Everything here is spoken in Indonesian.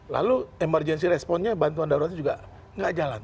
lalu emergency responsenya bantuan daruratnya juga nggak jalan